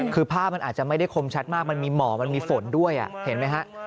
คือภาพมันอาจจะไม่ได้คมชัดมากมันมีหมอมันมีฝนด้วยเห็นไหมฮะ